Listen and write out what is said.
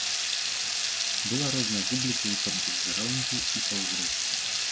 Была розная публіка, і па бэкграўндзе, і па ўзросце.